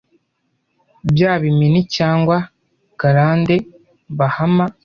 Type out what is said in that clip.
Bya Bimini cyangwa Garande Bahama